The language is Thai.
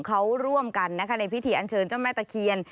เขาร่วมกันนะคะในพิธีอันเชิญเจ้าแม่ตะเคียน